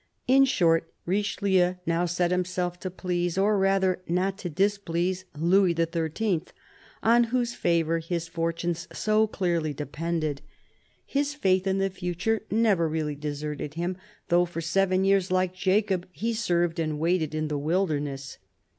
In short, Richelieu now set himself to please — or rather, not to displease — Louis XHI., on whose favour his fortunes so clearly depended. His faith in the future never really deserted him, though for seven years, like Jacob, he served and waited in the wilderness.